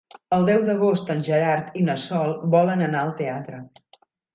El deu d'agost en Gerard i na Sol volen anar al teatre.